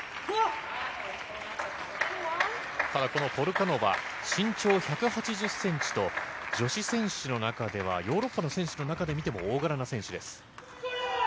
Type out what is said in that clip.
このポルカノバは身長１８０ｃｍと女子選手の中ではヨーロッパの選手の中で見ても大柄な選手です。